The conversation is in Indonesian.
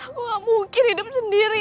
aku nggak mungkin hidup sendiri